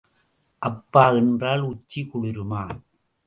அப்பா என்றால் உச்சி குளிருமா?